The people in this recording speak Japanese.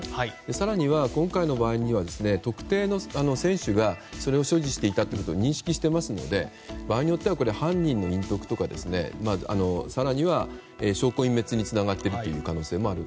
更には今回の場合には特定の選手がそれを所持していたということを認識していますので場合によっては犯人の隠匿や更には、証拠隠滅につながっている可能性もある。